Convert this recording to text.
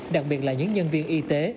đặc biệt là những nhân viên y tế